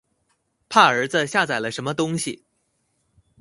怕兒子下載了什麼東西